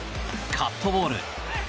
カットボール！